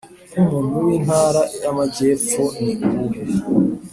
nkumuntu wintara yamajyepfo ni uwuhe